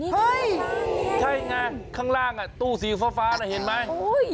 นี่คืออะไรข้างล่างตู้สีฟ้าทำให้เห็นไหม